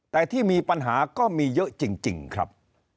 แต่ที่มีปัญหาก็มีเยอะจริงครับ